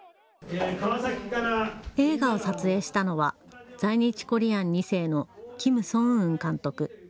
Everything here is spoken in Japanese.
映画を撮影したのは在日コリアン２世の金聖雄監督。